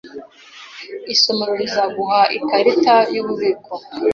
Isomero rizaguha ikarita yububiko.